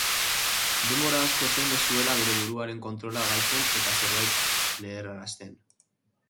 Denbora asko zen ez zuela bere buruaren kontrola galtzen eta zerbait leherrarazten.